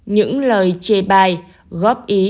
những lời chê bai góp ý